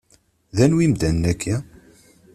D anwi imdanen-agi?